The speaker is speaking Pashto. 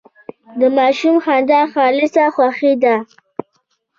د ماشوم خندا خالصه خوښي ده.